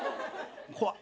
怖っ。